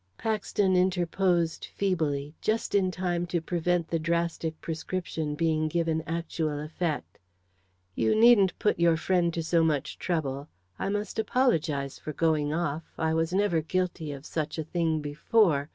Paxton interposed, feebly just in time to prevent the drastic prescription being given actual effect. "You needn't put your friend to so much trouble. I must apologise for going off. I was never guilty of such a thing before.